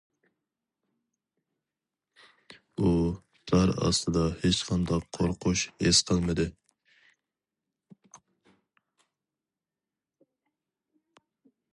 ئۇ دار ئاستىدا ھېچقانداق قورقۇش ھېس قىلمىدى.